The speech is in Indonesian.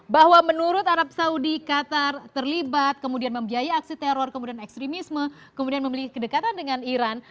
bahwa menurut arab saudi qatar terlibat kemudian membiayai aksi teror kemudian ekstremisme kemudian memiliki kedekatan dengan iran